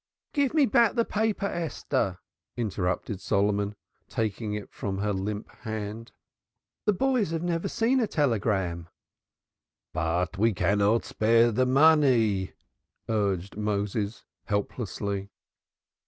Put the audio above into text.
"Give me back the paper, Esther," interrupted Solomon, taking it from her limp hand. "The boys have never seen a telegram." "But we cannot spare the money," urged Moses helplessly.